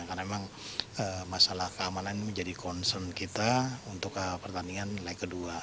karena memang masalah keamanan menjadi concern kita untuk pertandingan nilai kedua